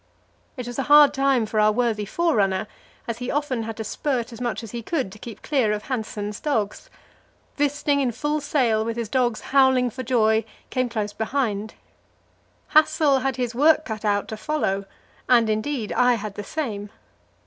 It was a hard time for our worthy forerunner; he often had to spurt as much as he could to keep clear of Hanssen's dogs. Wisting in full sail, with his dogs howling for joy, came close behind. Hassel had his work cut out to follow, and, indeed, I had the same.